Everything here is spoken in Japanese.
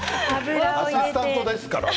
アシスタントですから私。